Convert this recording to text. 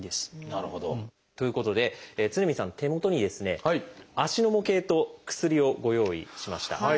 なるほど。ということで常深さんの手元に足の模型と薬をご用意しました。